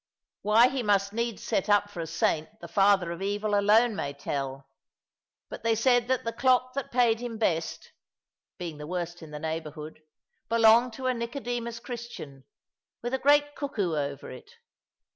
Why he must needs set up for a saint the father of evil alone may tell; but they said that the clock that paid him best (being the worst in the neighbourhood) belonged to a Nicodemus Christian, with a great cuckoo over it.